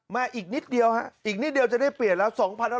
อีกนิดเดียวฮะอีกนิดเดียวจะได้เปลี่ยนแล้ว